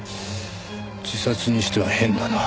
自殺にしては変だな。